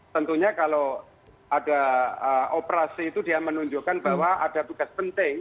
tentunya kalau ada operasi itu dia menunjukkan bahwa ada tugas penting